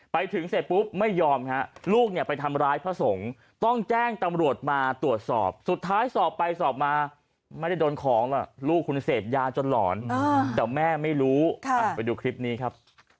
ไปถึงเสร็จปุ๊บไม่ยอมฮะลูกเนี่ยไปทำร้ายพระสงฆ์ต้องแจ้งตำรวจมาตรวจสอบสุดท้ายสอบไปสอบมาไม่ได้โดนของหรอกลูกคุณเสพยาจนหลอนแต่แม่ไม่รู้ไปดูคลิปนี้ครับ